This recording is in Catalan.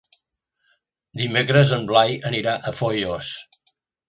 Dimecres en Blai anirà a Foios.